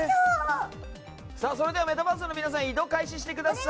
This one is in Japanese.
メタバースの皆さん移動を開始してください。